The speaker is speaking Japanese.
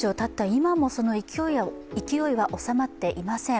今もその勢いは収まっていません。